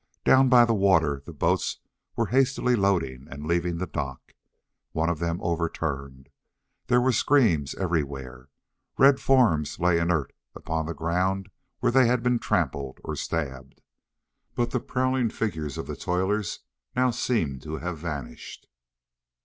Down by the water the boats were hastily loading and leaving the dock. One of them overturned. There were screams everywhere. Red forms lay inert upon the ground where they had been trampled, or stabbed. But the prowling figures of the toilers now seemed to have vanished.